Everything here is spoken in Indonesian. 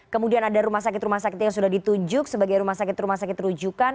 kemudian ada rumah sakit rumah sakit yang sudah ditunjuk sebagai rumah sakit rumah sakit rujukan